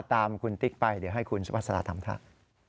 ตามคุณติ๊กไปเดี๋ยวให้คุณสุภาษาทำค่ะ